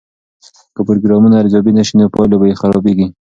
که پروګرامونه ارزیابي نسي نو پایلې یې خرابیږي.